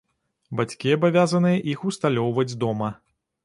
Бацькі абавязаныя іх усталёўваць дома.